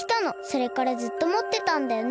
それからずっともってたんだよね。